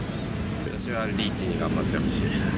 私はリーチに頑張ってほしいです。